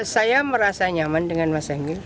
saya merasa nyaman dengan mas emil